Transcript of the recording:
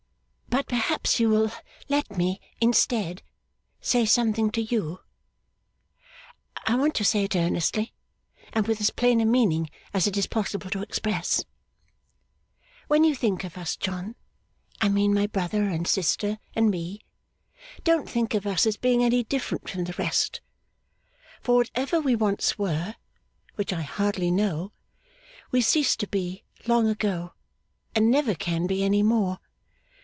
'But perhaps you will let me, instead, say something to you. I want to say it earnestly, and with as plain a meaning as it is possible to express. When you think of us, John I mean my brother, and sister, and me don't think of us as being any different from the rest; for, whatever we once were (which I hardly know) we ceased to be long ago, and never can be any more.